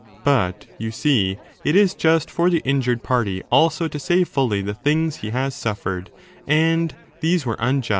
But, you see, it is just for the injured party also to say fully the things he has suffered ; and these were unjust.